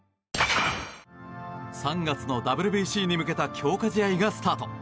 ３月のＷＢＣに向けた強化試合がスタート。